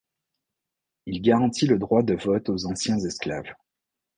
Il garantit le droit de vote aux anciens esclaves.